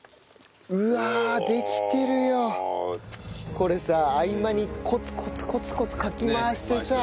これさ合間にコツコツコツコツかき回してさ。